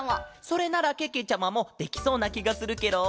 それならけけちゃまもできそうなきがするケロ。